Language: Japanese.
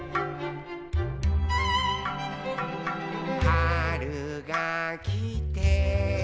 「はるがきて」